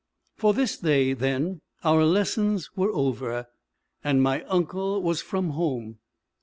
For this day, then, our lessons were over, and my uncle was from home.